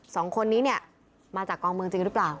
สองคนนี้เนี่ยมาจากกองเมืองจริงหรือเปล่า